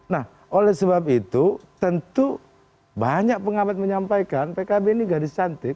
nah oleh sebab itu tentu banyak pengamat menyampaikan pkb ini gadis cantik